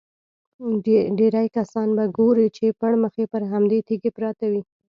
ډېری کسان به ګورې چې پړمخې پر همدې تیږې پراته وي.